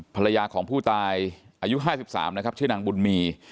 ภรรยาของผู้ตายอายุ๕๓นะครับชื่อนางบุญมี